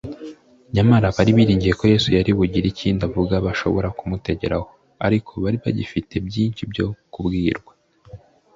nyamara bari biringiye ko yesu ari bugire ikindi avuga bashobora kumutegeraho; ariko bari bagifite byinshi byo kubwirwa